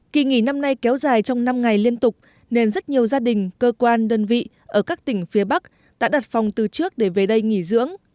kỳ nghỉ năm nay kéo dài trong năm ngày liên tục nên rất nhiều gia đình cơ quan đơn vị ở các tỉnh phía bắc đã đặt phòng từ trước để về đây nghỉ dưỡng